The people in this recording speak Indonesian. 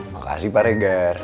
makasih pak regar